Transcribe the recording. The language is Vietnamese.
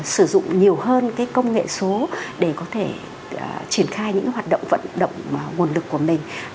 sử dụng nhiều hơn công nghệ số để có thể triển khai những hoạt động vận động nguồn lực của mình